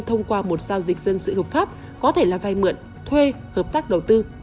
thông qua một giao dịch dân sự hợp pháp có thể là vay mượn thuê hợp tác đầu tư